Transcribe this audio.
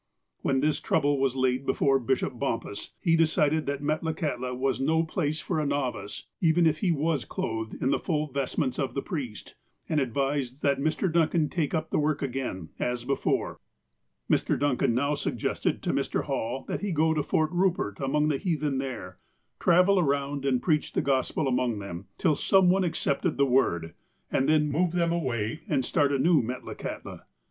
"When this trouble was laid before Bishop Bompas, he decided that Metlakahtla was no place for a "novice," even if he was clothed in the full vestments of the priest, and advised that Mr. Duncan take up the work again, as before. Mr. Duncan now suggested to Mr. Hall that he go to Fort Kupert, among the heathen there, travel around and preach the Gospel among them, till some one ac cepted the Word, and then move them away and start a new Metlakahtla.